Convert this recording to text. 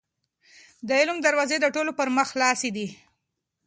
د علم دروازې د ټولو پر مخ خلاصې دي.